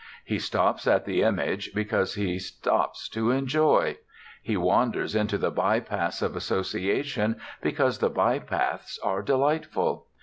He stops at the image, because he stops to enjoy. He wanders into the bypaths of association because the bypaths are delightful.